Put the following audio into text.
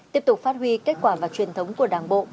tiếp tục phát huy kết quả và truyền thống của đảng bộ